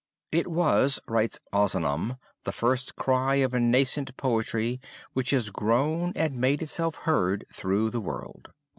'It was,' writes Ozanam, 'the first cry of a nascent poetry which has grown and made itself heard through the world.'"